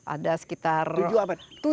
ada sekitar tujuh abad